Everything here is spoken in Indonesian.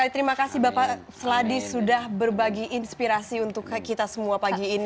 terima kasih bapak seladi sudah berbagi inspirasi untuk kita semua pagi ini